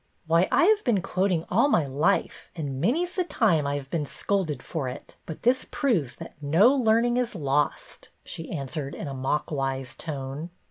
" Why, I have been quoting all my life, and many's the time I have been scolded for it; but this proves that no learning is lost," she answered in a mock wise tone.